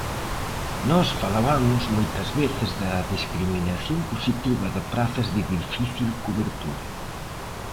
Nós falabamos moitas veces da discriminación positiva de prazas de difícil cobertura.